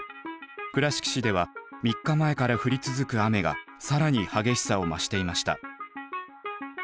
倉敷市では３日前から降り続く雨が更に激しさを増していました。